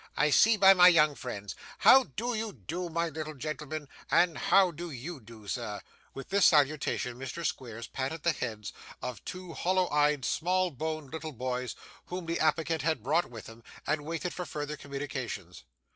I see by my young friends. How do you do, my little gentleman? and how do you do, sir?' With this salutation Mr. Squeers patted the heads of two hollow eyed, small boned little boys, whom the applicant had brought with him, and waited for further communications.